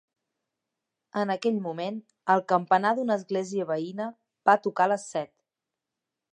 En aquell moment, el campanar d'una església veïna va tocar les set.